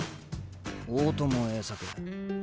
大友栄作。